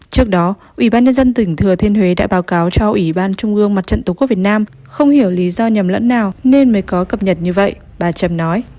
trước đó ủy ban nhân dân tỉnh thừa thiên huế đã báo cáo cho ủy ban trung ương mặt trận tổ quốc việt nam không hiểu lý do nhầm lẫn nào nên mới có cập nhật như vậy bà trâm nói